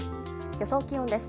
予想気温です。